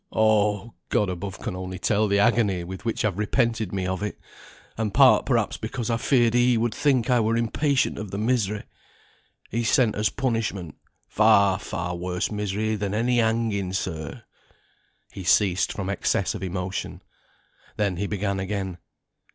Oh! God above only can tell the agony with which I've repented me of it, and part perhaps because I feared He would think I were impatient of the misery He sent as punishment far, far worse misery than any hanging, sir." He ceased from excess of emotion. Then he began again.